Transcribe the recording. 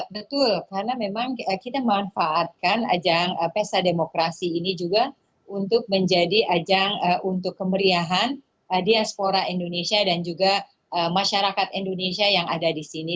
betul karena memang kita memanfaatkan ajang pesta demokrasi ini juga untuk menjadi ajang untuk kemeriahan diaspora indonesia dan juga masyarakat indonesia yang ada di sini